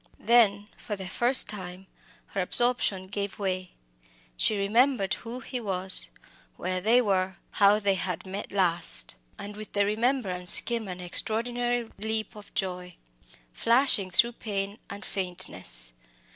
Then for the first time her absorption gave way. She remembered who he was where they were how they had last met. And with the remembrance came an extraordinary leap of joy, flashing through pain and faintness.